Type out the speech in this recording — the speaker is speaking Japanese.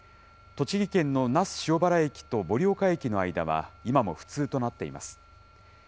栃木県の那須塩原駅と盛岡駅の間は、今も不通となっています。